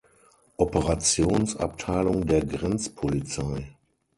Operationsabteilung der Grenzpolizei.